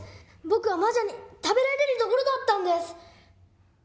僕は魔女に食べられるところだったんです！